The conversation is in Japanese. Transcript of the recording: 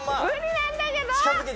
無理なんだけど！